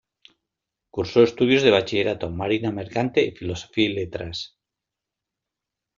Cursó estudios de bachillerato, marina mercante y filosofía y letras.